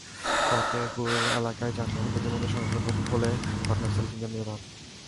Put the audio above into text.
ফতেপুর এলাকায় যানবাহন দুটির মধ্যে সংঘর্ষ হলে ঘটনাস্থলে তিনজন নিহত হন।